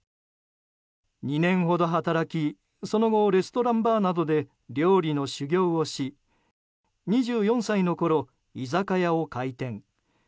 ２年ほど働き、その後レストランバーなどで料理の修業をし２４歳のころ居酒屋を開店。